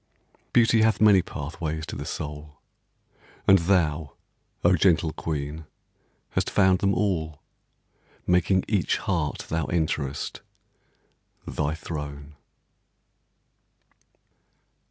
Beauty hath many pathways to the soul, And thou, O gentle queen, hast found them all, Making each heart thou enterest thy throne.